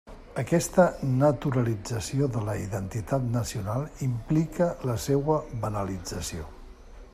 Aquesta «naturalització» de la identitat nacional implica la seua banalització.